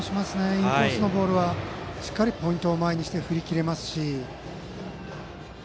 インコースのボールにはしっかりポイントを前にして振り切れますし。